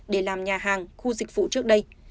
để làm nhà hàng khu dịch vụ trước đây